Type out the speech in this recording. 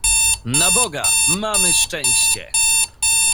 "Na Boga, mamy szczęście!"